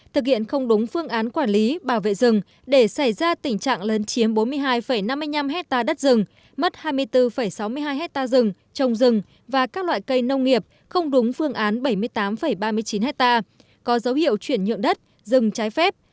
thực hiện không đúng phương án quản lý bảo vệ rừng để xảy ra tình trạng lớn chiếm bốn mươi hai năm mươi năm hectare đất rừng mất hai mươi bốn sáu mươi hai hectare rừng trồng rừng và các loại cây nông nghiệp không đúng phương án bảy mươi tám ba mươi chín hectare